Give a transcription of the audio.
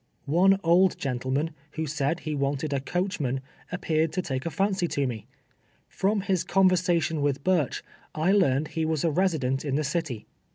One old gentleman, who said he wanted a coach man, appeared to take a fancy to me. From his con versation with Burch, I learned he was a resident in the city.